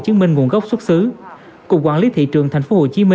chứng minh nguồn gốc xuất xứ cục quản lý thị trường tp hcm